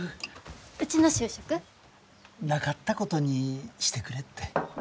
うちの就職？なかったことにしてくれって。